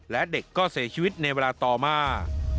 และเด็กก็เสียชีวิตในเวลาต่อมา